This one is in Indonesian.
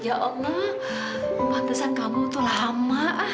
ya allah pantesan kamu tuh lama